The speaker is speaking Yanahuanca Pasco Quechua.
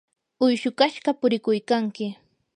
uyshu kashqa purikuykanki.